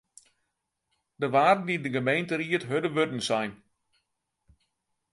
Der waarden yn de gemeenteried hurde wurden sein.